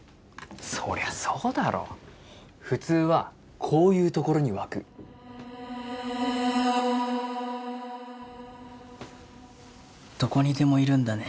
そりゃそうだろ普通はこういう所にわくどこにでもいるんだね